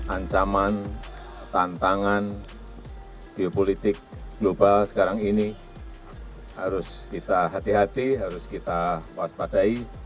ancaman tantangan geopolitik global sekarang ini harus kita hati hati harus kita waspadai